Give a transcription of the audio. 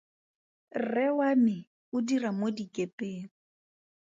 Rre wa me o dira mo dikepeng.